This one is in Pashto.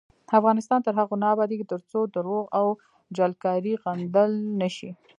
افغانستان تر هغو نه ابادیږي، ترڅو درواغ او جعلکاری غندل نشي.